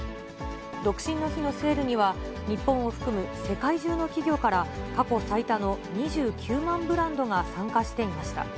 独身の日のセールには、日本を含む世界中の企業から、過去最多の２９万ブランドが参加していました。